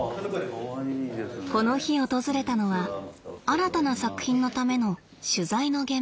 この日訪れたのは新たな作品のための取材の現場でした。